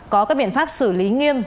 có các biện pháp xử lý nghiêm